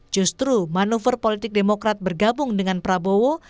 justru manuver politik demokrat bergabung dengan prabowo